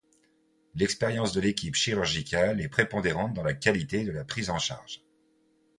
L'expérience de l'équipe chirurgicale est prépondérante dans la qualité de la prise en charge.